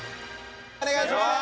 お願いします。